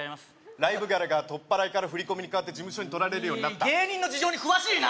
ライブギャラが取っ払いから振り込みに変わって事務所に取られるように芸人の事情に詳しいな！